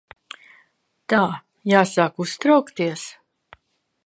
Tā. Jāsāk uztraukties?